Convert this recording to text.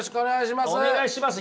お願いします。